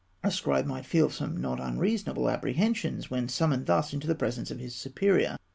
A scribe might feel some not unreasonable apprehensions, when summoned thus into the presence of his superior.